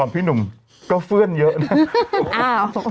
พี่หนุ่มก็เฟื่อนเยอะนะ